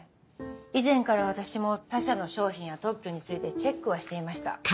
以前から私も他社の商品や特許についてチェックはしていました。